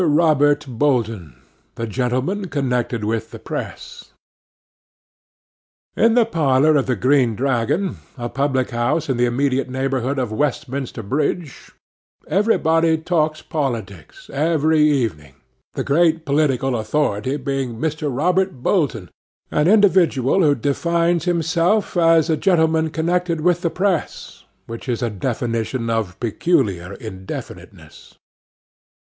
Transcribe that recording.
ROBERT BOLTON THE 'GENTLEMAN CONNECTED WITH THE PRESS' IN the parlour of the Green Dragon, a public house in the immediate neighbourhood of Westminster Bridge, everybody talks politics, every evening, the great political authority being Mr. Robert Bolton, an individual who defines himself as 'a gentleman connected with the press,' which is a definition of peculiar indefiniteness.